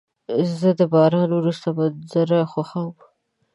زه د باران وروسته منظره خوښوم.